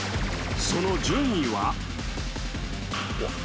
その順位は？